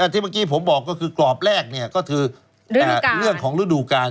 ที่เมื่อกี้ผมบอกก็คือกรอบแรกก็คือเรื่องของฤดูกาล